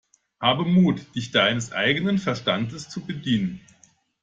Habe Mut, dich deines eigenen Verstandes zu bedienen!